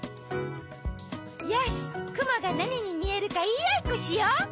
よしくもがなににみえるかいいあいっこしよう！